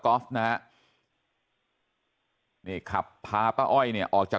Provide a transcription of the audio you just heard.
ครับคุณสาวทราบไหมครับ